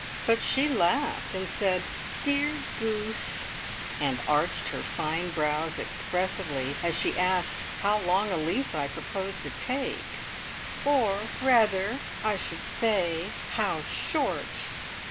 but she laughed, and said, "Dear goose," and arched her fine brows expressively as she asked how long a lease I proposed to take, "Or, rather, I should say, how short?"